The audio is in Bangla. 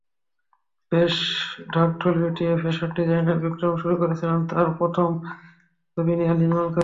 বেশ ঢাকঢোল পিটিয়ে ফ্যাশন ডিজাইনার বিক্রম শুরু করেছিলেন তাঁর প্রথম ছবি নিয়ার নির্মাণকাজ।